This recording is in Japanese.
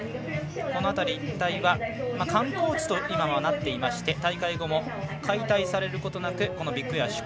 この辺り一体は観光地と今は、なっていまして大会後も解体されることなくビッグエア